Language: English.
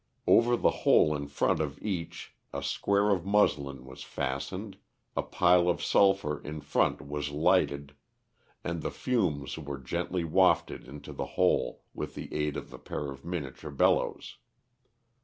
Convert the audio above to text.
Over the hole in front of each a square of muslin was fastened, a pile of sulphur in front was lighted, and the fumes were gently wafted into the hole with the aid of the pair of miniature bellows.